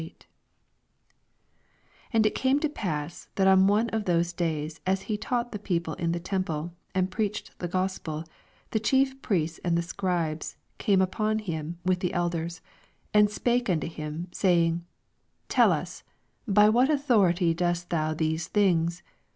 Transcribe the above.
1 And it came to pass, that on one >f those days, as he taught the people m the temple, and preached the Gos pel, the Chief Priests and t^e Scribes eame upon him with the elders, 2 And spake unto him, saying, Tell ns,by what authority doestthou these things